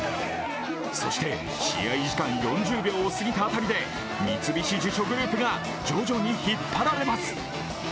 そして試合時間４０秒を過ぎた辺りで三菱地所グループが徐々に引っ張られます。